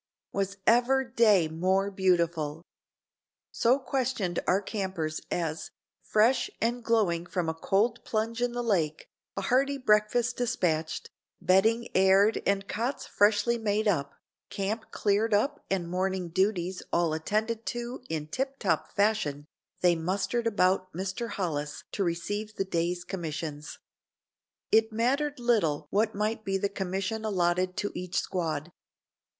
Was ever day more beautiful? So questioned our campers as, fresh and glowing from a cold plunge in the lake, a hearty breakfast despatched, bedding aired and cots freshly made up, camp cleared up and morning duties all attended to in tip top fashion, they mustered about Mr. Hollis to receive the day's commissions. It mattered little what might be the commission allotted to each squad.